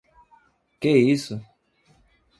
Que isso!